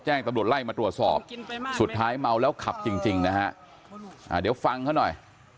ตำรวจไล่มาตรวจสอบสุดท้ายเมาแล้วขับจริงนะฮะเดี๋ยวฟังเขาหน่อย